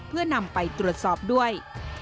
เพื่อนำไปตรวจสอบด้วย